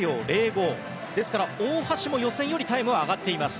ですから、大橋も予選よりタイムは上がっています。